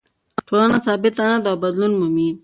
ټولنه ثابته نه ده او بدلون مومي.